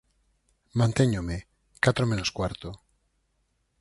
Mantéñome, ¡catro menos cuarto!